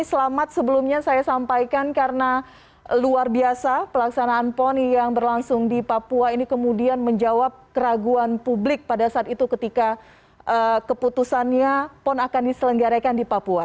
selamat sebelumnya saya sampaikan karena luar biasa pelaksanaan pon yang berlangsung di papua ini kemudian menjawab keraguan publik pada saat itu ketika keputusannya pon akan diselenggarakan di papua